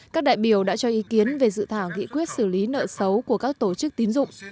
các đại biểu đã cho ý kiến về dự thảo nghị quyết xử lý nợ xấu của các tổ chức tín dụng